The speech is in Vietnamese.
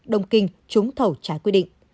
đồng kinh trúng thẩu trái quy định